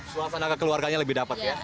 suasana kekeluarganya lebih dapat ya